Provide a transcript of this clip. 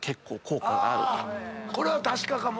これは確かかも。